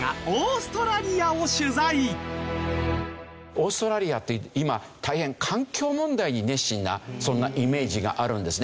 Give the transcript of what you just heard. オーストラリアって今大変環境問題に熱心なそんなイメージがあるんですね。